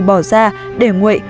bỏ ra để nguội